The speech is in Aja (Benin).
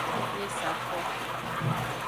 Nyi e sa ko.